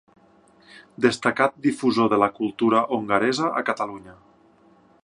Destacat difusor de la cultura hongaresa a Catalunya.